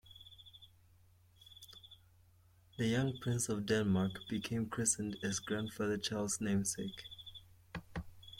The young Prince of Denmark became christened as grandfather Charles' namesake.